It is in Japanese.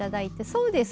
そうです。